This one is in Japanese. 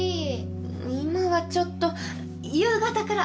今はちょっと夕方から。